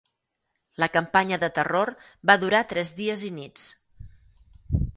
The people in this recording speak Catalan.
La campanya de terror va durar tres dies i nits.